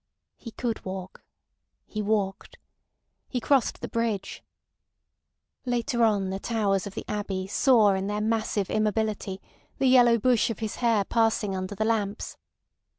He could walk. He walked. He crossed the bridge. Later on the towers of the Abbey saw in their massive immobility the yellow bush of his hair passing under the lamps.